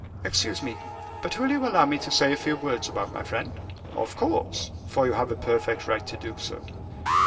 "Excuse me, but will you allow me to say a few words about my friend?" "Of course, for you have a perfect right to do so."